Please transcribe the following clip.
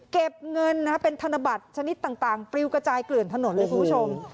เก็บเงินเป็นธนบัตรชนิดต่างปริวกระจายเกลื่อนถนนเลยคุณผู้ชม